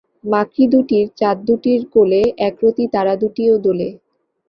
মাকড়িদুটির চাদদুটির কোলে একরতি তারাদুটিও দোলে।